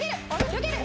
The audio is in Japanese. よける。